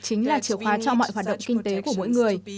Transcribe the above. chính là chiều khóa cho mọi hoạt động kinh tế của mỗi người